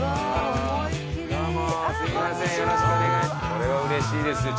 これはうれしいですよ